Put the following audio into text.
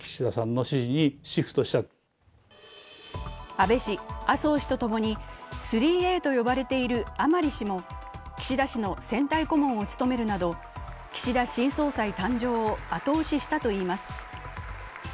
安部氏、麻生氏とともに３Ａと呼ばれている甘利氏も岸田氏の選対顧問を務めるなど、岸田新総裁誕生を後押ししたといいます。